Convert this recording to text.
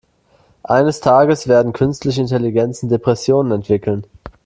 Eines Tages werden künstliche Intelligenzen Depressionen entwickeln.